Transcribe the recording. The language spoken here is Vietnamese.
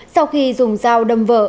sau khi dùng dao đâm vợ